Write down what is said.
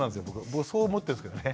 僕はそう思ってるんですけどね。